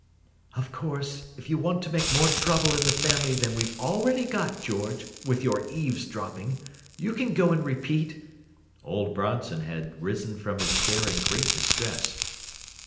"Of course, if you want to make more trouble in the family than we've already got, George, with your eavesdropping, you can go and repeat—" Old Bronson had risen from his chair in great distress.